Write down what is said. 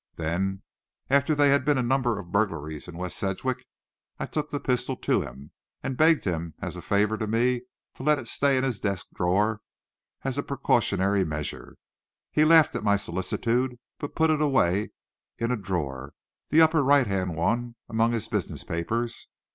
Then, after there had been a number of burglaries in West Sedgwick, I took this pistol to him, and begged him as a favor to me to let it stay in his desk drawer as a precautionary measure. He laughed at my solicitude, but put it away in a drawer, the upper right hand one, among his business papers.